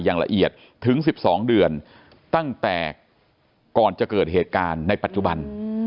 อย่างละเอียดถึง๑๒เดือนตั้งแต่ก่อนจะเกิดเหตุการณ์ในปัจจุบัน